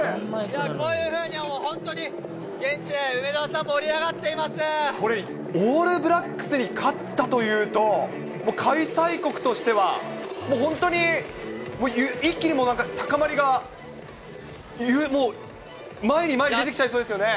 こういうふうに、本当に、現地で梅澤さん、これ、オールブラックスに勝ったというと、もう開催国としては、もう本当に、もう一気にもうなんか、高まりが、もう、前に前に出てきちゃいそうですよね。